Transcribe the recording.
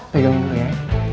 pegang dulu ya